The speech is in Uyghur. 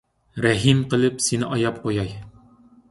رەھىم قىلىپ سېنى ئاياپ قوياي.